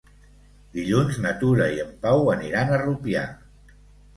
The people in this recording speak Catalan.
Dilluns na Tura i en Pau aniran a Rupià.